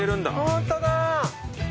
ホントだ！